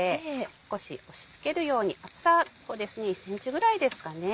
少し押しつけるように厚さ１センチぐらいですかね。